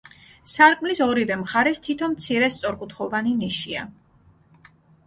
სარკმლის ორივე მხარეს თითო მცირე სწორკუთხოვანი ნიშია.